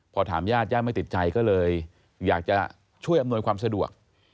พอถามญาติญาติไม่ติดใจก็เลยอยากจะช่วยอำนวยความสะดวก